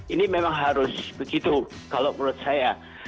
ini memang harus begitu kalau menurut saya